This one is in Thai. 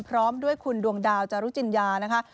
พร้อมด้วยคุณดวงดาวจารุจิญญานะคะ